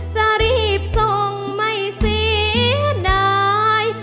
จะรีบส่งไม่เสียดาย